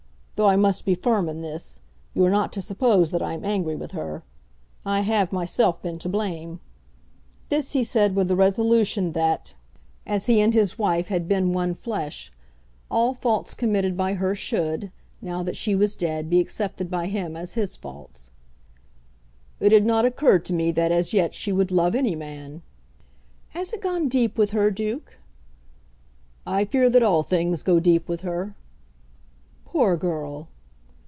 Though I must be firm in this, you are not to suppose that I am angry with her. I have myself been to blame." This he said with a resolution that, as he and his wife had been one flesh, all faults committed by her should, now that she was dead, be accepted by him as his faults. "It had not occurred to me that as yet she would love any man." "Has it gone deep with her, Duke?" "I fear that all things go deep with her." "Poor girl!"